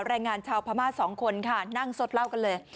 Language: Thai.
รายงานชาวพระม่าสองคนค่ะนั่งสดเล่ากันเลย